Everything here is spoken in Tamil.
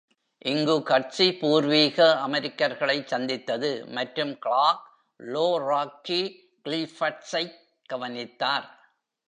இங்கு கட்சி பூர்வீக அமெரிக்கர்களை சந்தித்தது மற்றும் கிளார்க் "லோ ராக்கீ க்ளிஃப்ட்ஸ்" ஐக் கவனித்தார்.